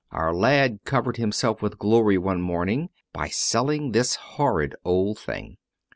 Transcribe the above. Our lad covered himself with glory one morning, by selling this horrid old thing.